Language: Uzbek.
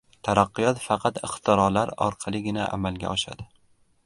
Taraqqiyot faqat ixtirolar orqaligina amalga oshadi.